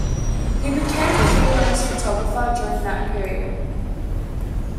He became a free-lance photographer during that period.